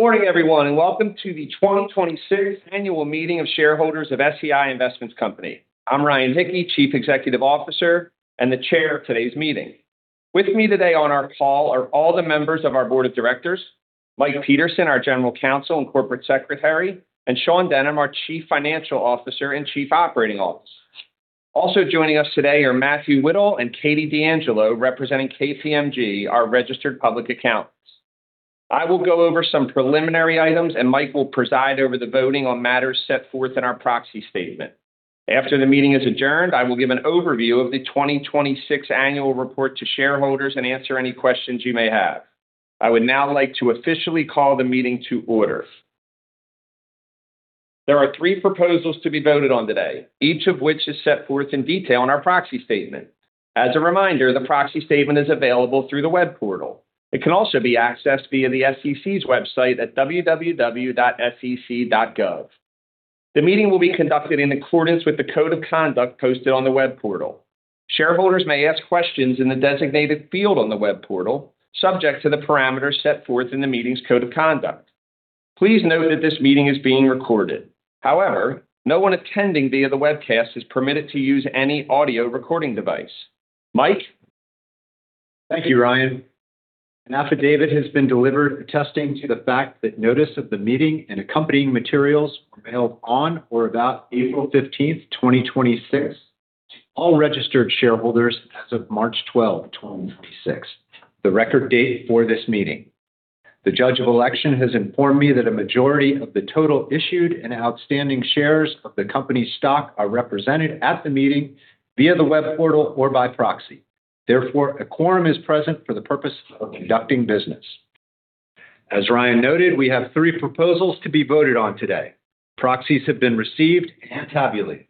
Good morning, everyone, and welcome to the 2026 annual meeting of shareholders of SEI Investments Company. I'm Ryan Hicke, Chief Executive Officer and the Chair of today's meeting. With me today on our call are all the members of our Board of Directors, Mike Peterson, our General Counsel and Corporate Secretary, and Sean Denham, our Chief Financial Officer and Chief Operating Officer. Also joining us today are Matthew Whittle and Katie D'Angelo, representing KPMG, our registered public accountants. I will go over some preliminary items, and Mike will preside over the voting on matters set forth in our proxy statement. After the meeting is adjourned, I will give an overview of the 2026 annual report to shareholders and answer any questions you may have. I would now like to officially call the meeting to order. There are three proposals to be voted on today, each of which is set forth in detail in our proxy statement. As a reminder, the proxy statement is available through the web portal. It can also be accessed via the SEC's website at www.sec.gov. The meeting will be conducted in accordance with the code of conduct posted on the web portal. Shareholders may ask questions in the designated field on the web portal, subject to the parameters set forth in the meeting's code of conduct. Please note that this meeting is being recorded. However, no one attending via the webcast is permitted to use any audio recording device. Mike? Thank you, Ryan. An affidavit has been delivered attesting to the fact that notice of the meeting and accompanying materials were mailed on or about April 15th, 2026 to all registered shareholders as of March 12, 2026, the record date for this meeting. The Judge of Election has informed me that a majority of the total issued and outstanding shares of the company's stock are represented at the meeting via the web portal or by proxy. Therefore, a quorum is present for the purpose of conducting business. As Ryan noted, we have three proposals to be voted on today. Proxies have been received and tabulated.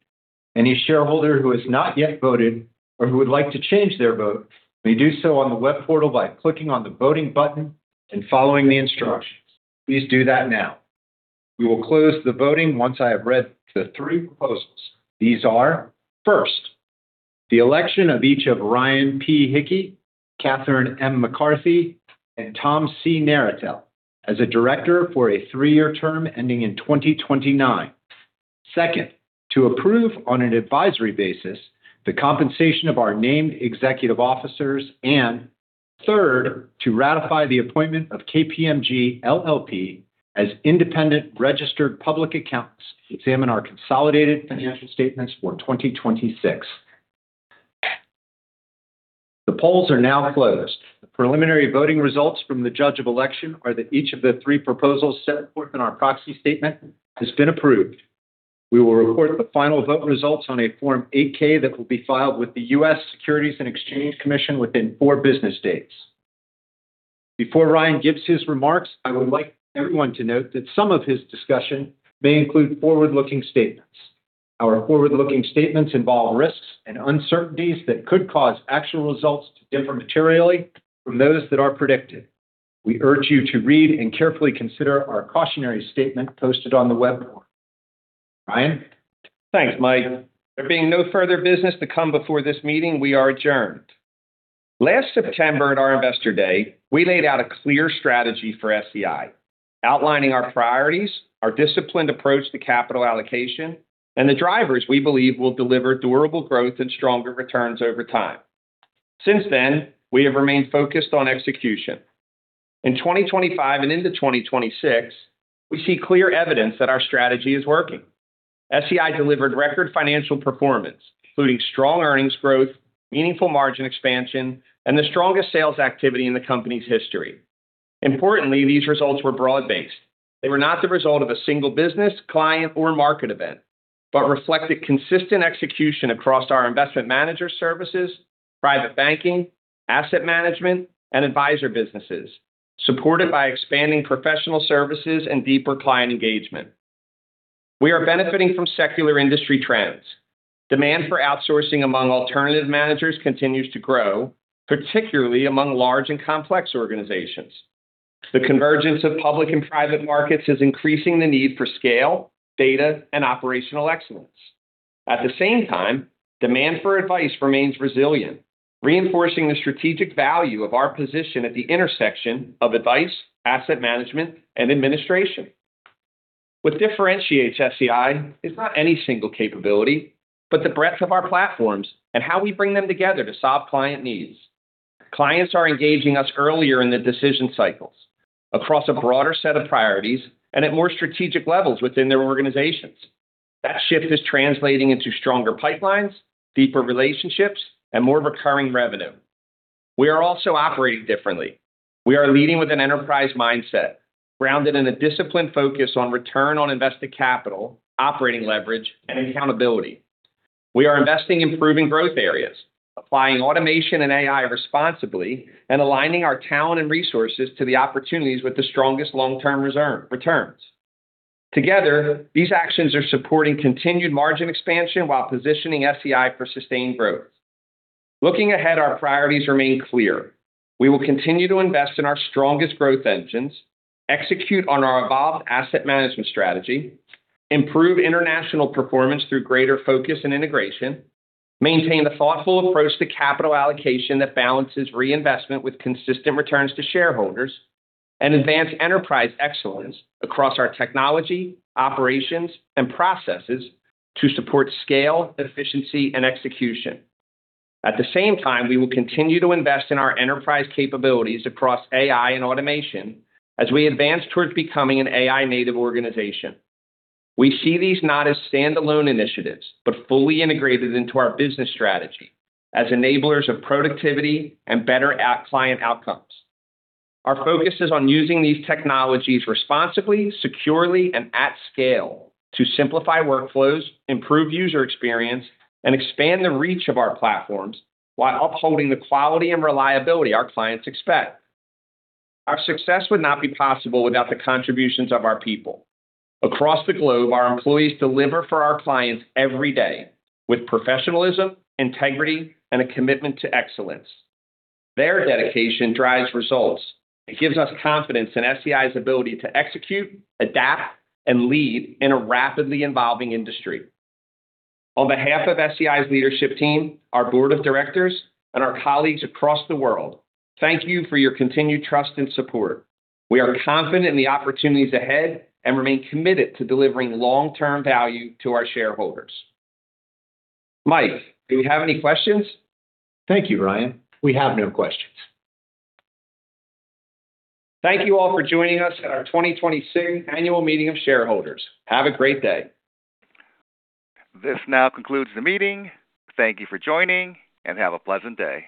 Any shareholder who has not yet voted or who would like to change their vote may do so on the web portal by clicking on the voting button and following the instructions. Please do that now. We will close the voting once I have read the three proposals. These are, first, the election of each of Ryan P. Hicke, Kathryn M. McCarthy, and Tom C. Naratil as a Director for a three-year term ending in 2029. Second, to approve, on an advisory basis, the compensation of our named executive officers. Third, to ratify the appointment of KPMG LLP as independent registered public accountants to examine our consolidated financial statements for 2026. The polls are now closed. The preliminary voting results from the Judge of Election are that each of the three proposals set forth in our proxy statement has been approved. We will report the final vote results on a Form 8-K that will be filed with the U.S. Securities and Exchange Commission within four business days. Before Ryan gives his remarks, I would like everyone to note that some of his discussion may include forward-looking statements. Our forward-looking statements involve risks and uncertainties that could cause actual results to differ materially from those that are predicted. We urge you to read and carefully consider our cautionary statement posted on the web portal. Ryan? Thanks, Mike. There being no further business to come before this meeting, we are adjourned. Last September at our Investor Day, we laid out a clear strategy for SEI, outlining our priorities, our disciplined approach to capital allocation, and the drivers we believe will deliver durable growth and stronger returns over time. Since then, we have remained focused on execution. In 2025 and into 2026, we see clear evidence that our strategy is working. SEI delivered record financial performance, including strong earnings growth, meaningful margin expansion, and the strongest sales activity in the company's history. Importantly, these results were broad-based. They were not the result of a single business, client, or market event but reflected consistent execution across our Investment Manager Services, Private Banking, Asset Management, and Advisor businesses, supported by expanding professional services and deeper client engagement. We are benefiting from secular industry trends. Demand for outsourcing among alternative managers continues to grow, particularly among large and complex organizations. The convergence of public and private markets is increasing the need for scale, data, and operational excellence. At the same time, demand for advice remains resilient, reinforcing the strategic value of our position at the intersection of advice, asset management, and administration. What differentiates SEI is not any single capability, but the breadth of our platforms and how we bring them together to solve client needs. Clients are engaging us earlier in the decision cycles across a broader set of priorities and at more strategic levels within their organizations. That shift is translating into stronger pipelines, deeper relationships, and more recurring revenue. We are also operating differently. We are leading with an enterprise mindset, grounded in a disciplined focus on return on invested capital, operating leverage, and accountability. We are investing in proven growth areas, applying automation and AI responsibly, and aligning our talent and resources to the opportunities with the strongest long-term returns. Together, these actions are supporting continued margin expansion while positioning SEI for sustained growth. Looking ahead, our priorities remain clear. We will continue to invest in our strongest growth engines, execute on our evolved asset management strategy, improve international performance through greater focus and integration, maintain the thoughtful approach to capital allocation that balances reinvestment with consistent returns to shareholders, and advance enterprise excellence across our technology, operations, and processes to support scale, efficiency, and execution. At the same time, we will continue to invest in our enterprise capabilities across AI and automation as we advance towards becoming an AI-native organization. We see these not as standalone initiatives, but fully integrated into our business strategy as enablers of productivity and better client outcomes. Our focus is on using these technologies responsibly, securely, and at scale to simplify workflows, improve user experience, and expand the reach of our platforms while upholding the quality and reliability our clients expect. Our success would not be possible without the contributions of our people. Across the globe, our employees deliver for our clients every day with professionalism, integrity, and a commitment to excellence. Their dedication drives results and gives us confidence in SEI's ability to execute, adapt, and lead in a rapidly evolving industry. On behalf of SEI's leadership team, our Board of Directors, and our colleagues across the world, thank you for your continued trust and support. We are confident in the opportunities ahead and remain committed to delivering long-term value to our shareholders. Mike, do we have any questions? Thank you, Ryan. We have no questions. Thank you all for joining us at our 2026 annual meeting of shareholders. Have a great day. This now concludes the meeting. Thank you for joining, and have a pleasant day.